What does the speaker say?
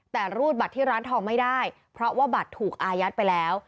แต่รูดบัตรที่ร้านทองไม่ได้เพราะว่าบัตรถูกอายัดไปแล้ว